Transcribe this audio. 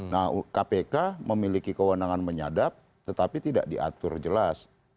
nah kpk memiliki kewenangan menyadap tetapi tidak diatur jelas